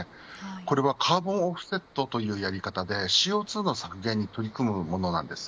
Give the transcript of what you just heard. これはカーボンオフセットというやり方でＣＯ２の削減に取り組むものです。